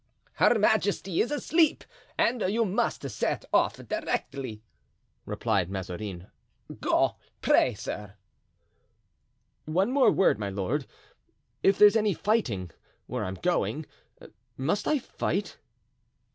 "Her majesty is asleep and you must set off directly," replied Mazarin; "go, pray, sir——" "One word more, my lord; if there's any fighting where I'm going, must I fight?"